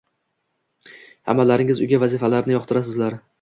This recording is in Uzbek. hammalaringiz uyga vazifalarni yoqtirasizlar